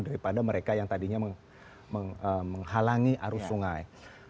daripada mereka yang tadinya menghalangi arus sungai